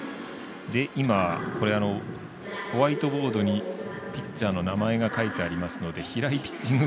今、ホワイトボードにピッチャーの名前が書いてありますので平井ピッチング